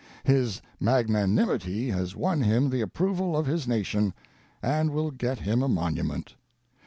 His magnanimity has won him the approval of his nation, and will get him a monument.